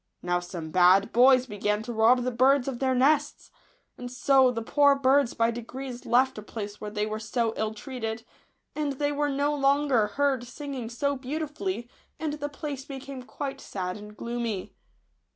Now some bad boys began to rob the birds of their nests; and so the poor birds by degrees left a place where they were so ill treated, and they were no longer heard sinking so beautifully, and the place became quite sad and gloomy.